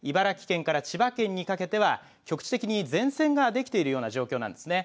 茨城県から千葉県にかけては局地的に前線ができているような状況なんですね。